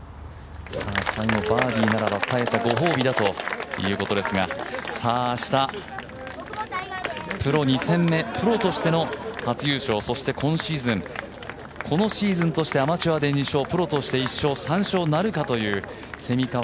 最後、バーディーならば耐えたご褒美だということですが明日、プロ２戦目、プロとしての初優勝、そして今シーズンこのシーズンとしてアマチュアとして１勝プロとして１勝、３勝なるかという蝉川泰果